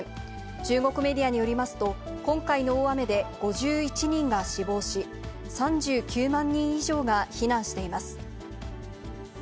中国メディアによりますと、今回の大雨で５１人が死亡し、３９万人以上が避難しています。